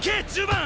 １０番！